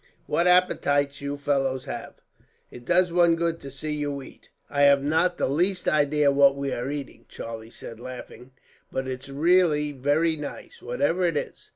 "What appetites you fellows have! It does one good to see you eat." "I have not the least idea what we are eating," Charlie said, laughing; "but it's really very nice, whatever it is.